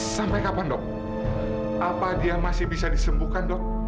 sampai kapan dok apa dia masih bisa disembuhkan dok